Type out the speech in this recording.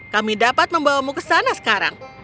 kami dapat membawamu ke sana sekarang